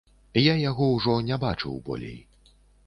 Я яго ўжо не бачыў болей.